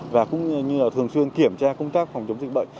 và cũng như là thường xuyên kiểm tra công tác phòng chống dịch bệnh